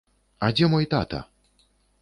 А дзе мой тата?